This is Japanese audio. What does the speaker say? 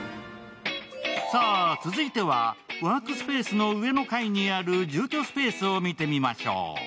さぁ、続いてはワークスペースの上の階にある住居スペースを見てみましょう。